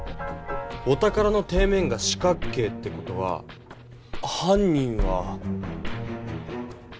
お宝の底面が四角形って事ははん人は。